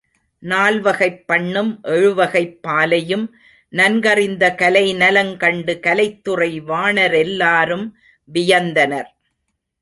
நால்வகைப் பண்ணும் எழுவகைப் பாலையும் நன்கறிந்த கலைநலங் கண்டு கலைத்துறை வாணரெல்லாரும் வியந்தனர்.